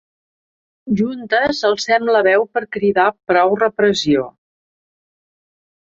Juntes alcem la veu per cridar prou repressió.